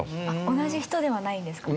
同じ人ではないんですか？